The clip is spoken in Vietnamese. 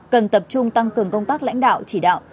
cần tập trung tăng cường công tác lãnh đạo chỉ đạo